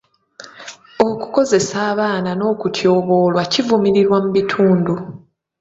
Okukozesa abaana n'okutyoboolwa kivumirirwa mu bitundu.